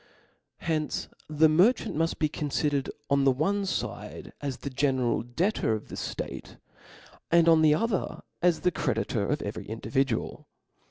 Hence the merchant muft be confidercd on the one fide as the general debtor of the ftate, and on the other as the credi tor of every individual.